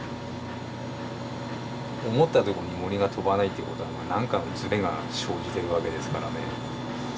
思ったとこに銛が飛ばないってことは何かのずれが生じてるわけですからね。